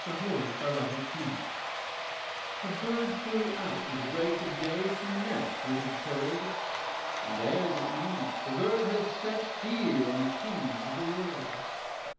THE BALLAD OF GOD MAKERS A bird flew out at the break of day From the nest where it had curled, And ere the eve the bird had set Fear on the kings of the world.